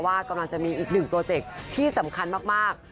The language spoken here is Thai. ว่ากำลังจะมีอีกหนึ่งโปรเจคที่สำคัญมาก